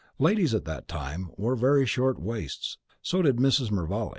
Ladies at that time wore very short waists; so did Mrs. Mervale.